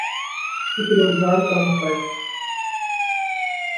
کچھ روزگار کا مسئلہ۔